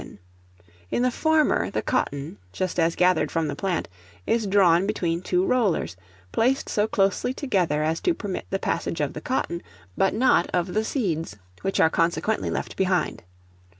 In the former, the cotton, just as gathered from the plant, is drawn between two rollers, placed so closely together as to permit the passage of the cotton, but not of the seeds, which are consequently left behind.